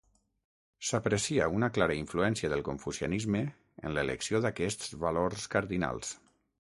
S'aprecia una clara influència del confucianisme en l'elecció d'aquests valors cardinals.